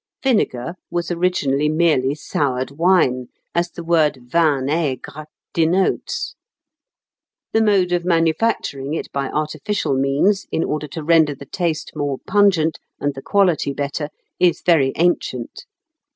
Vinegar was originally merely soured wine, as the word vin aigre denotes. The mode of manufacturing it by artificial means, in order to render the taste more pungent and the quality better, is very ancient.